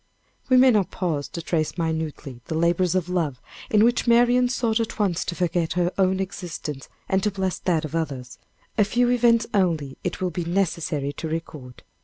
We may not pause to trace minutely the labors of love in which Marian sought at once to forget her own existence and to bless that of others. A few events only it will be necessary to record.